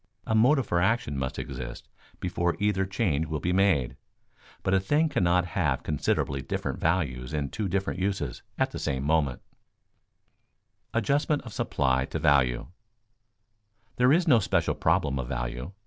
A motive for action must exist before either change will be made; but a thing cannot have considerably different values in two different uses at the same moment. [Sidenote: Adjustment of supply to value] There is here no special problem of value.